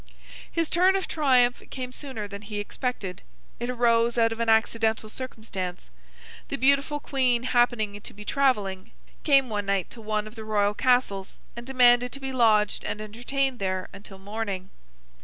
His turn of triumph came sooner than he expected. It arose out of an accidental circumstance. The beautiful Queen happening to be travelling, came one night to one of the royal castles, and demanded to be lodged and entertained there until morning.